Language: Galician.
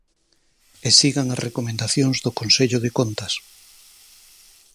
E sigan as recomendacións do Consello de Contas.